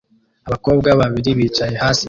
abakobwa babiri bicaye hasi